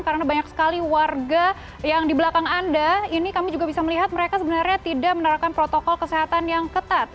kali warga yang di belakang anda ini kami juga bisa melihat mereka sebenarnya tidak menerakan protokol kesehatan yang ketat